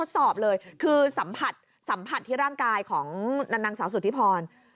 สัมผัสที่ร่างกายของนางสาวสุทธิพร